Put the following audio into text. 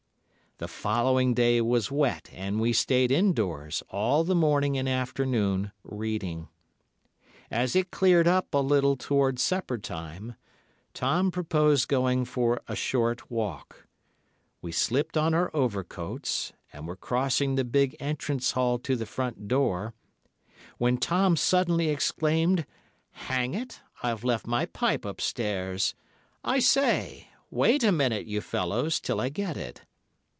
"The following day was wet, and we stayed indoors, all the morning and afternoon, reading. As it cleared up a little towards supper time, Tom proposed going for a short walk. We slipped on our overcoats, and were crossing the big entrance hall to the front door, when Tom suddenly exclaimed, 'Hang it! I've left my pipe upstairs. I say, wait a minute, you fellows, till I get it.